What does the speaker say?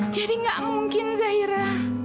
jadi gak mungkin zaira